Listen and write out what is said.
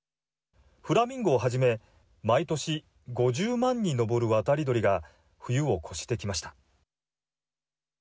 フラミンゴをはじめ毎年５０万に上る渡り鳥が冬を越してきました。